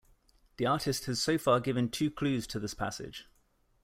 The artist has so far given two clues to this passage.